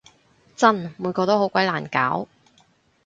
真！每個都好鬼難搞